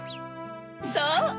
そう！